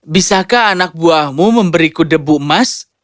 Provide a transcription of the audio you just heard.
bisakah anak buahmu memberiku debu emas